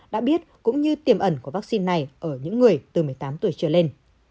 đã biết cũng như tiềm ẩn của vaccine này ở những người từ một mươi tám tuổi trở lên